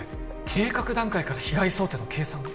計画段階から被害想定の計算を？